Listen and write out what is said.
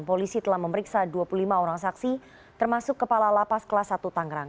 polisi telah memeriksa dua puluh lima orang saksi termasuk kepala lapas kelas satu tangerang